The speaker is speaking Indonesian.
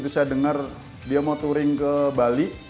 saya dengar dia mau touring ke bali